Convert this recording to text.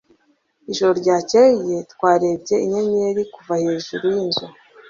Ijoro ryakeye, twarebye inyenyeri kuva hejuru yinzu.